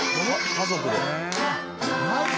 家族で。